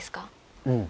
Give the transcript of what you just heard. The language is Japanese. うん。